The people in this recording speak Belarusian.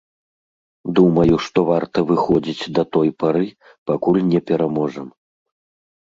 Думаю, што варта выходзіць да той пары, пакуль не пераможам.